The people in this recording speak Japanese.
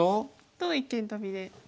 と一間トビで。